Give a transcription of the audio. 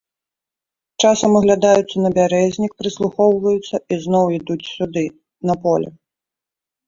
Часам аглядаюцца на бярэзнік, прыслухоўваюцца і зноў ідуць сюды, на поле.